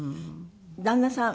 旦那さん